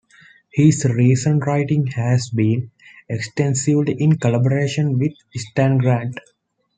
His recent writing has been extensively in collaboration with Stan Grant.